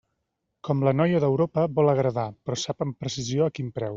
Com la noia d'Europa, vol agradar, però sap amb precisió a quin preu.